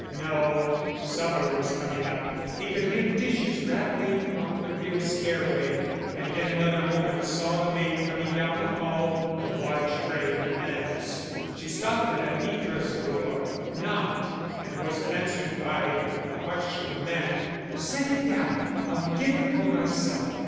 No; supper was coming up. He could hear dishes rattling on the rear stairway, and in another moment saw the maid coming down the hall with a large tray in her hands. She stopped at Anitra's door, knocked, and was answered by the harsh command: "Set it down. I'll get it for myself."